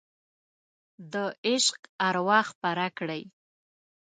د عشق اروا خپره کړئ